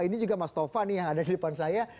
ini juga mas tova nih yang ada di depan saya